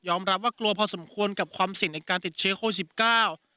รับว่ากลัวพอสมควรกับความเสี่ยงในการติดเชื้อโควิดสิบเก้า